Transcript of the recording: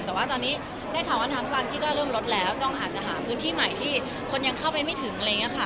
เพราะว่าตอนนี้ได้ข่าวว่าทางฟังที่ก็เริ่มลดแล้วต้องหาพื้นที่ใหม่ที่คนยังเข้าไปไม่ถึง